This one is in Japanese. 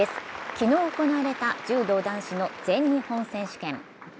昨日行われた柔道男子の全日本選手権。